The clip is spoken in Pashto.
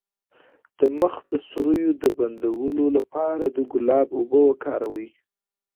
د مخ د سوریو د بندولو لپاره د ګلاب اوبه وکاروئ